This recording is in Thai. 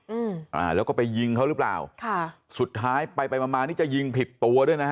อืมอ่าแล้วก็ไปยิงเขาหรือเปล่าค่ะสุดท้ายไปไปมามานี่จะยิงผิดตัวด้วยนะฮะ